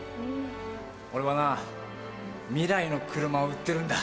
俺はなぁ未来の車を売ってるんだ。